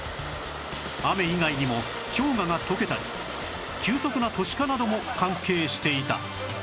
雨以外にも氷河が溶けたり急速な都市化なども関係していた